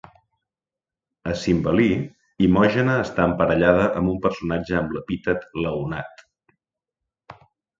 A "Cimbelí" Imògena està emparellada amb un personatge amb l'epítet "Leonat".